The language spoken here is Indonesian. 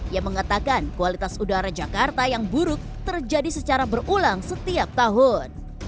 yang mengatakan kualitas udara jakarta yang buruk terjadi secara berulang setiap tahun